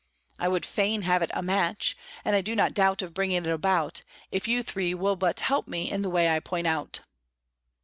I would fain have it a match, and I do not doubt of bringing it about, if you three will but help me in the way I point out."